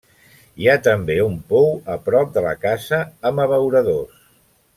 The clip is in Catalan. Hi ha també un pou a prop de la casa amb abeuradors.